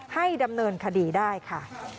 ให้ดำเนินคดีได้ค่ะ